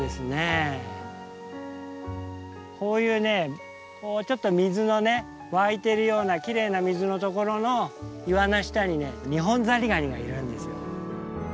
こういうねちょっと水の湧いてるようなきれいな水のところの岩の下にねニホンザリガニがいるんですよ。